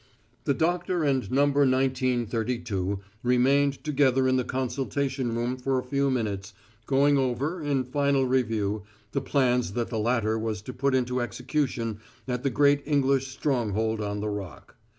The doctor and Number Nineteen Thirty two remained together in the consultation room for a few minutes, going over, in final review, the plans that the latter was to put into execution at the great English stronghold on the Rock.